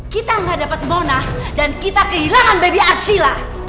kita gak dapet mona dan kita kehilangan baby arsila